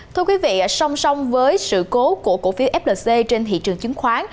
thưa quý vị song song với sự cố của cổ phiếu flc trên thị trường chứng khoán